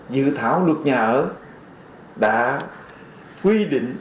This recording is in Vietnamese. dự thảo luật nhà ở đã quy định